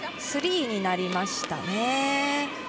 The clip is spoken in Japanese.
スリーになりましたね。